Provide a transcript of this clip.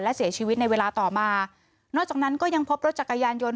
และเสียชีวิตในเวลาต่อมานอกจากนั้นก็ยังพบรถจักรยานยนต